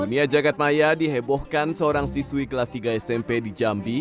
dunia jagadmaya dihebohkan seorang siswi kelas tiga smp di jambi